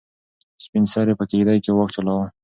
سپین سرې په کيږدۍ کې واک چلاوه.